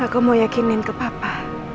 aku mau yakinin ke papa